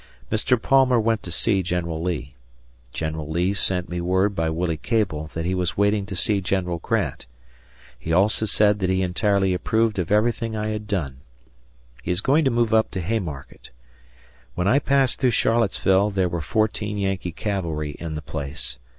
Mr. Palmer went to see General Lee. General Lee sent me word by Willie Cabell that he was waiting to see General Grant; he also said that he entirely approved of everything I had done. He is going to move up to Haymarket. When I passed through Charlottesville there were fourteen Yankee cavalry in the place.